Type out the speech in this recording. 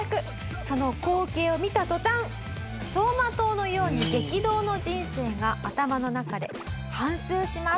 その光景を見た途端走馬灯のように激動の人生が頭の中で反芻します。